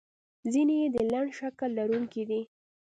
ځینې یې د لنډ شکل لرونکي دي.